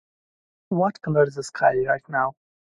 What color is the sky right now?